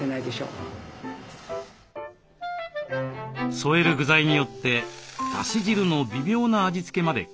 そえる具材によってだし汁の微妙な味付けまで変える。